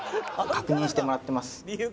確認してもらってます。